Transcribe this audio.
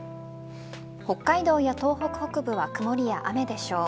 北海道や東北北部は曇りや雨でしょう。